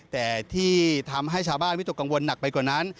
แต่ที่ทำให้ชาวบ้านวิตกกังวลหนักไปกว่านั้น